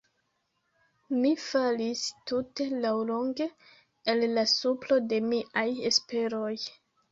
Mi falis tute laŭlonge el la supro de miaj esperoj.